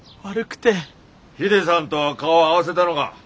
ヒデさんとは顔合わせたのが？